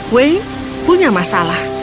wayne punya masalah